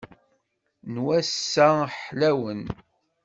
N wass-a ḥlawen.